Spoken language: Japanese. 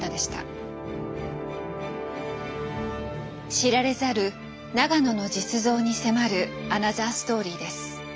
知られざる永野の実像に迫るアナザーストーリーです。